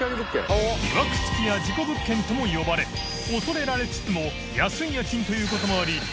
「いわくつき」や「事故物件」とも呼ばれ欧譴蕕譴弔弔安い家賃ということもあり貮瑤